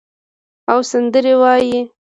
او سندرې وایې